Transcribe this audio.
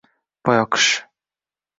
Boyoqish…